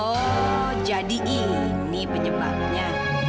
oh jadi ini penyebabnya